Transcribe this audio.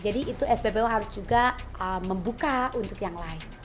jadi itu sppo harus juga membuka untuk yang lain